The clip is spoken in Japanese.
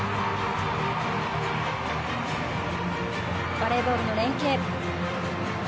バレーボールの連係。